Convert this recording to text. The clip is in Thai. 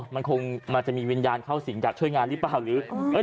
มันคงมันจะมีวิญญาณเข้าสิ่งอยากช่วยงานหรือเปล่าหรือ